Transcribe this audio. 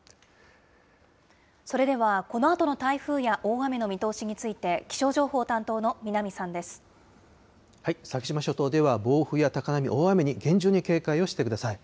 それでは、このあとの台風や大雨の見通しについて、先島諸島では、暴風や高波、大雨に厳重に警戒をしてください。